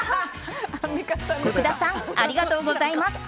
福田さんありがとうございます。